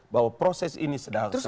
bahwa proses ini sudah selesai